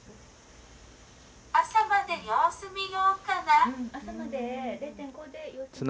朝まで様子見ようかな。